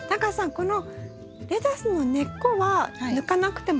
このレタスの根っこは抜かなくても大丈夫なんですか？